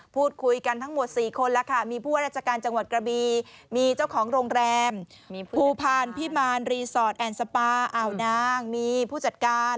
พูดคุยกันทั้งหมด๔คนแล้วค่ะมีผู้ว่าราชการจังหวัดกระบีมีเจ้าของโรงแรมภูพาลพิมารรีสอร์ทแอนดสปาอ่าวนางมีผู้จัดการ